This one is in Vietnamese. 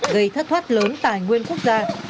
gây thất thoát lớn tài nguyên quốc gia